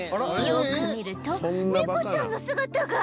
よく見ると猫ちゃんの姿が！